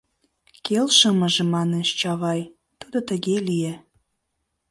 — Келшымыже, — манеш Чавай, — тудо тыге лие.